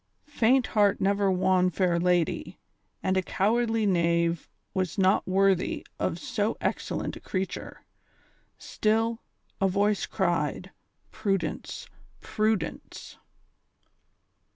Faint heart never won fair lady, and a cowardly knave was not worthy of so excellent a creature ; still, a voice cried : Prudence, prudence